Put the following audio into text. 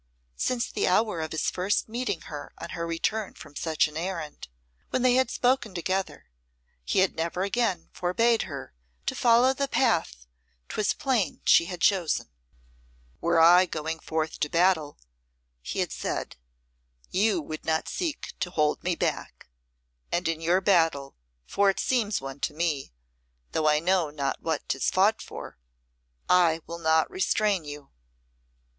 Since the hour of his first meeting her on her return from such an errand, when they had spoken together, he had never again forbade her to follow the path 'twas plain she had chosen. "Were I going forth to battle," he had said, "you would not seek to hold me back; and in your battle, for it seems one to me, though I know not what 'tis fought for, I will not restrain you."